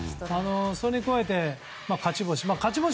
それに加えて、勝ち星。